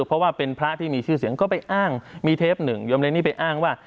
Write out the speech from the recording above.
เพราะว่าเป็นพระที่มีชื่อเสียงก็ไปอ้างมีเทปหนึ่งยมเล็กนี่ไปอ้างว่า